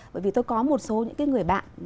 bởi vì tôi có một số những người bạn